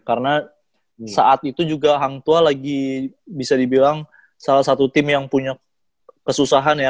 karena saat itu juga hang tua lagi bisa dibilang salah satu tim yang punya kesusahan ya